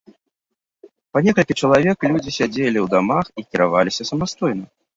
Па некалькі чалавек людзі сядзелі ў дамах і кіраваліся самастойна.